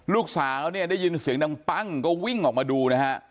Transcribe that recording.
ลูกสาวเนี่ยได้ยินเสียงดังปั้งก็วิ่งออกมาดูนะฮะ